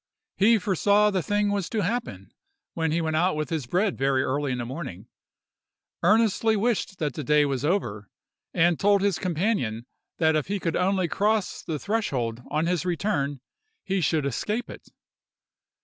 He foresaw the thing was to happen when he went out with his bread very early in the morning; earnestly wished that the day was over, and told his companion that if he could only cross the threshold, on his return, he should escape it.